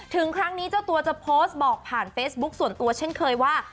ถึงครั้งนี้เจ้าตัวจะโพสต์บอกผ่านเฟซบุ๊คส่วนตัวเช่นเคยว่า